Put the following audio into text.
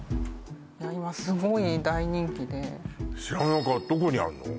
いや今すごい大人気で知らなかったどこにあるの？